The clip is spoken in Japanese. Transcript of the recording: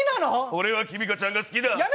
俺はキミカちゃんが好きだ。